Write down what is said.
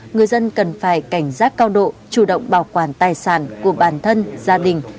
người dân cần phải cảnh giác cao độ chủ động bảo quản tài sản của bản thân gia đình